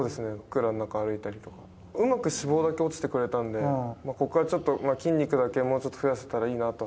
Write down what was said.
暗い中歩いたりとか、うまく脂肪だけ落ちてくれたので、ここからちょっと筋肉だけもうちょっと増やせたらいいなと。